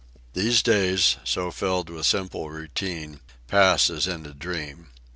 The days, so filled with simple routine, pass as in a dream.